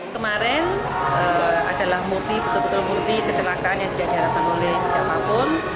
kemarin adalah murni betul betul murni kecelakaan yang tidak diharapkan oleh siapapun